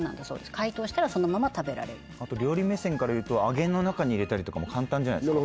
解凍したらそのまま食べられるあと料理目線から言うと揚げの中に入れたりとかも簡単じゃないですか